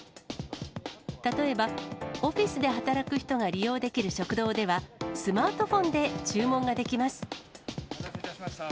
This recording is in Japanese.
例えば、オフィスで働く人が利用できる食堂では、スマートフォンで注文ができます。